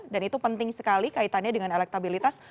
dan itu penting sekali kaitannya dengan elektabilitas